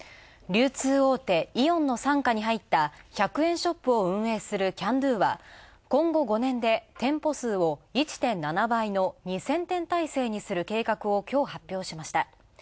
流通大手イオンの傘下に入った１００円ショップを運営するキャンドゥは今後５年で店舗数を１．７倍の２０００店体制にすることを計画をきょう発表しました。